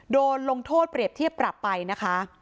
โดนลงโทษเปรียบเทียบปรับไปนะคะ